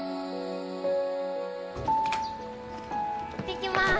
行ってきます。